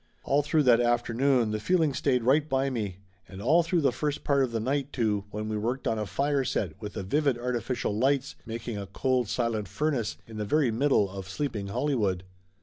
All through that afternoon the feeling stayed right by me, and all through the first part of the night, too, when we worked on a fire set with the vivid artificial lights making a cold silent furnace in the very middle of sleeping Hollywood.